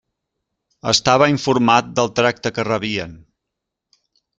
Estava informat del tracte que rebien.